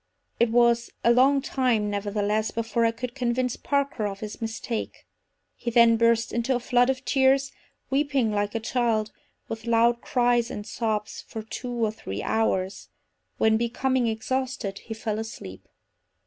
It was a long time, nevertheless, before I could convince Parker of his mistake. He then burst into a flood of tears, weeping like a child, with loud cries and sobs, for two or three hours, when becoming exhausted, he fell asleep.